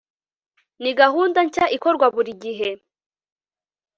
ni gahunda shya ikorwa buri gihe